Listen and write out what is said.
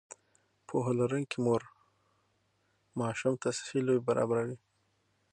پوهه لرونکې مور ماشوم ته صحي لوبې برابروي.